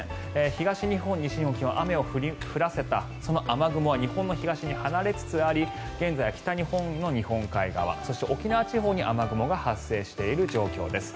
東日本、西日本昨日、雨を降らせたその雨雲は日本の東に離れつつあり現在は北日本の日本海側そして、沖縄地方に雨雲が発生している状況です。